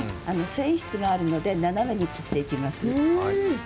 繊維質があるので、斜めに切っていきます。